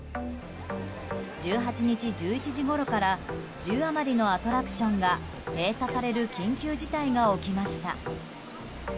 １８日１１時ごろから１０余りのアトラクションが閉鎖される緊急事態が起きました。